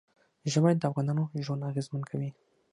ژمی د افغانانو ژوند اغېزمن کوي.